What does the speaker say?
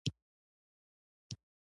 کوتره له غم نه خوشحالي ته الوزي.